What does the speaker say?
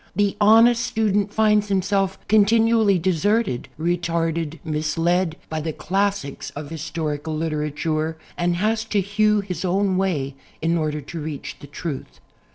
The honest student finds himself continually de serted, retarded, misled, by the classics of his torical literature ... and has to hew his own way in order to reach the truth.